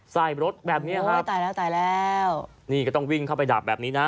สายรถแบบนี้นะครับนี่ก็ต้องวิ่งเข้าไปดับแบบนี้นะ